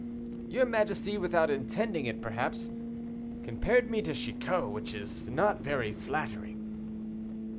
"Your majesty, without intending it, perhaps, compared me to Chicot, which is not very flattering."